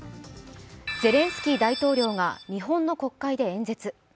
ゼレンスキー大統領が日本の国会で演説。